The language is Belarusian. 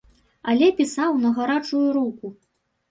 Але пісаў на гарачую руку.